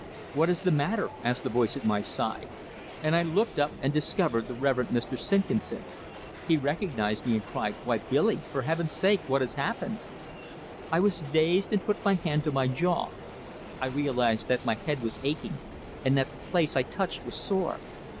"What is the matter?" asked the voice at my side; and I looked up, and discovered the Reverend Mr. Simpkinson. He recognized me, and cried: "Why, Billy! For heaven sake, what has happened?" I was dazed, and put my hand to my jaw. I realized that my head was aching, and that the place I touched was sore.